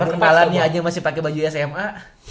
masa kepala dia aja masih pake baju sma